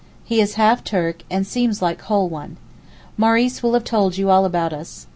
He is half Turk, and seems like whole one. Maurice will have told you all about us.